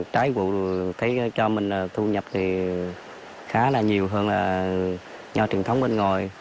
trái vụ thấy cho mình thu nhập thì khá là nhiều hơn là nho truyền thống bên ngoài